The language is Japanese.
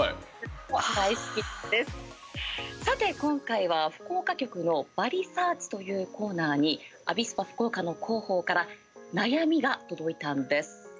さて今回は福岡局の「バリサーチ」というコーナーにアビスパ福岡の広報から悩みが届いたんです。